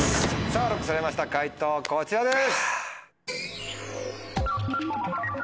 ＬＯＣＫされました解答こちらです。